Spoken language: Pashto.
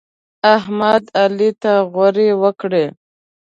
احمد؛ علي ته غورې وکړې.